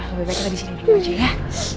lebih baik kita di sini dulu aja ya